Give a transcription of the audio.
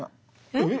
えっ！